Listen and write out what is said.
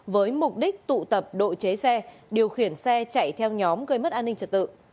với mục đích tụ tập độ chế xe điều khiển xe chạy theo nhóm gây mất an ninh trật tự